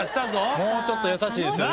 もうちょっと優しいですよね。